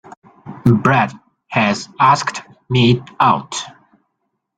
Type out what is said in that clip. Brad has asked me out.